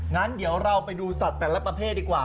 งั้นเดี๋ยวเราไปดูสัตว์แต่ละประเภทดีกว่า